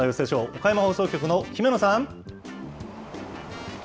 岡山放送局の姫野さん。